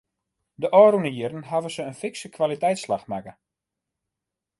De ôfrûne jierren hawwe se in fikse kwaliteitsslach makke.